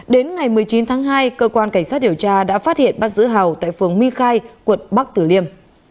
đến ngày một mươi chín tháng hai cơ quan cảnh sát điều tra đã phát hiện bắt giữ hào tại phường my khai quận bắc tử liêm